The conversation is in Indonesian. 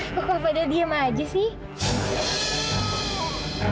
kok kak fah dia diem aja sih